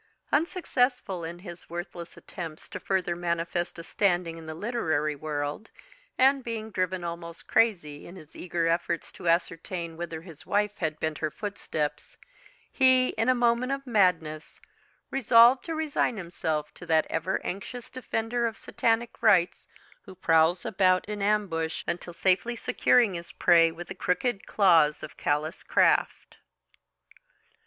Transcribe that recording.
Unsuccessful in his worthless attempts to further manifest a standing in the literary world, and being driven almost crazy in his eager efforts to ascertain whither his wife had bent her footsteps, he, in a moment of madness, resolved to resign himself to that ever anxious defender of Satanic rights who prowls about in ambush until safely securing his prey with the crooked claws of callous craft.